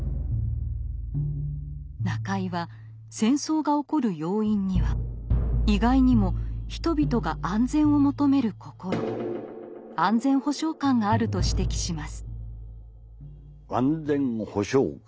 中井は戦争が起こる要因には意外にも人々が安全を求める心「安全保障感」があると指摘します。